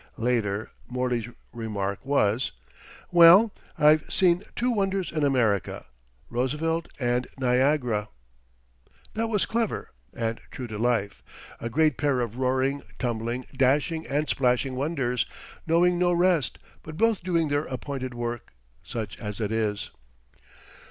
Later, Morley's remark was: "Well, I've seen two wonders in America, Roosevelt and Niagara." That was clever and true to life a great pair of roaring, tumbling, dashing and splashing wonders, knowing no rest, but both doing their appointed work, such as it is.